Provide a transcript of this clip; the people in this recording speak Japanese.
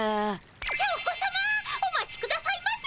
チョー子さまお待ちくださいませ。